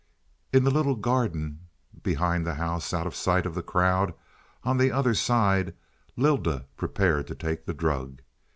In the little garden behind the house, out of sight of the crowd on the other side, Lylda prepared to take the drug.